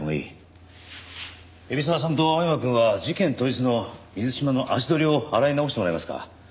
海老沢さんと青山くんは事件当日の水島の足取りを洗い直してもらえますか。